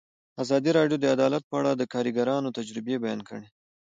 ازادي راډیو د عدالت په اړه د کارګرانو تجربې بیان کړي.